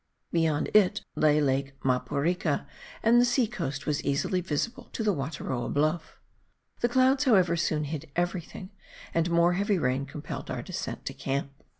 Beyond it lay Lake Maporika, and the sea coast was easily visible to the Wataroa bluff. The clouds, however, soon hid everything, and more heavy rain compelled our descent to camp.